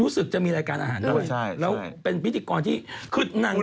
รู้สึกจะมีรายการอาหารด้วยใช่แล้วเป็นพิธีกรที่คือนาง